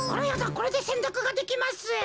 これでせんたくができます。